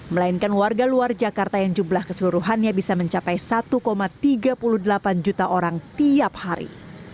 melainkan warga luar jakarta yang jumlah keseluruhannya bisa mencapai satu tiga puluh delapan juta orang tiap hari